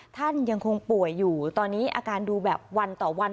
ท่านยังคงป่วยอยู่ตอนนี้อาการดูแบบวันต่อวัน